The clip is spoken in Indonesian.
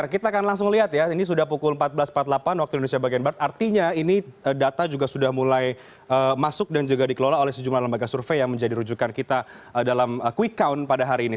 kita akan langsung lihat ya ini sudah pukul empat belas empat puluh delapan waktu indonesia bagian barat artinya ini data juga sudah mulai masuk dan juga dikelola oleh sejumlah lembaga survei yang menjadi rujukan kita dalam quick count pada hari ini